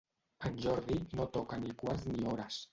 En Jordi no toca ni quarts ni hores.